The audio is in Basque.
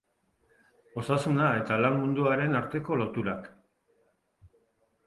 Osasuna eta lan munduaren arteko loturak.